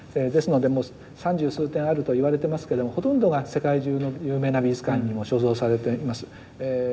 ですのでもう三十数点あると言われてますけどほとんどが世界中の有名な美術館にも所蔵されています。